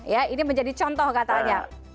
ya ini menjadi contoh katanya